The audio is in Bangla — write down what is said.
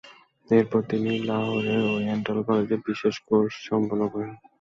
এরপর তিনি লাহোরের ওরিয়েন্টাল কলেজে বিশেষ কোর্স সম্পন্ন করেন।